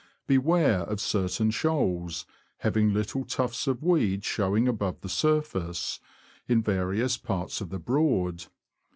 Beware of certain shoals, having little tufts of weed showing above the surface, in various parts of the Broad.